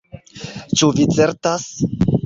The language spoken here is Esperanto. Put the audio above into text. Ĉu vi certas?